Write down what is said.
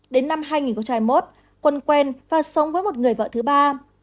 đến năm hai nghìn một quân quen và sống với một người vợ thứ ba